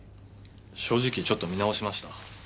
正直ちょっと見直しました。